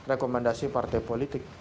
rekomendasi partai politik